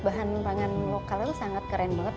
bahan pangan lokal itu sangat keren banget